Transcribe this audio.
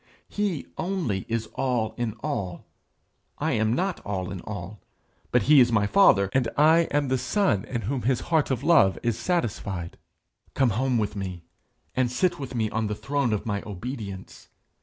He only is all in all; I am not all in all, but he is my father, and I am the son in whom his heart of love is satisfied. Come home with me, and sit with me on the throne of my obedience.